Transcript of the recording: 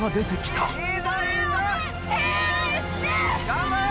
頑張れ！